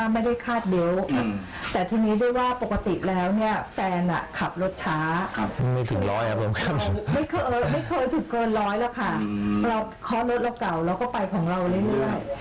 ไม่เคยถูกเกินร้อยแล้วค่ะเราเคาะรถเราเก่าเราก็ไปของเราเรื่อย